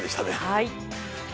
はい。